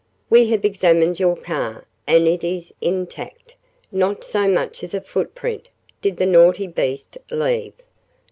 We have examined your car, and it is intact not so much as a footprint did the naughty beast leave."